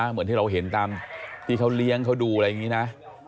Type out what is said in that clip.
เหมือนที่เราเห็นตามที่เขาเลี้ยงเขาดูอะไรอย่างนี้นะ